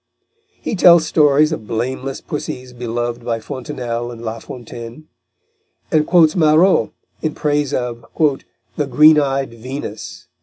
He tells stories of blameless pussies beloved by Fontanelle and La Fontaine, and quotes Marot in praise of "the green eyed Venus."